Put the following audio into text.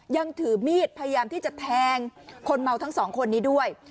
ยังถือมีดพยายามที่จะแทงคนเมาทั้งสองคนนี้ด้วย